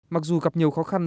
mặc dù gặp nhiều khó khăn